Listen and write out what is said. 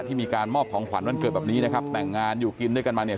ที่มีการมอบของขวัญวันเกิดแบบนี้นะครับแต่งงานอยู่กินด้วยกันมาเนี่ย